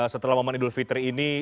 setelah momen idul fitri ini